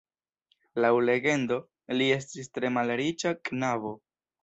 Laŭ legendo, li estis tre malriĉa knabo.